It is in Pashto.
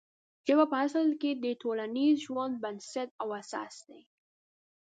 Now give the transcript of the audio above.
ژبه په اصل کې د ټولنیز ژوند بنسټ او اساس دی.